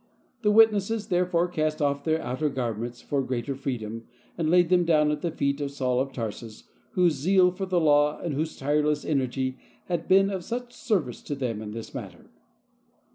The witnesses therefore cast off their outer garments for greater freedom, and laid them down at the feet of Saul of Tarsus, whose zeal for the Law and whose tireless energy had been of such service to them in this matter.